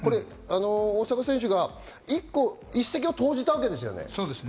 大坂選手が一石を投じたわけですよね。